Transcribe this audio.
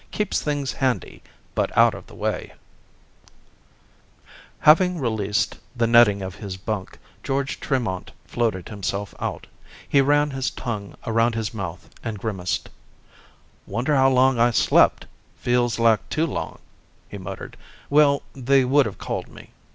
Keeps things handy, but out of the way...._ Illustrated by Summers Having released the netting of his bunk, George Tremont floated himself out. He ran his tongue around his mouth and grimaced. "Wonder how long I slept ... feels like too long," he muttered. "Well, they would have called me."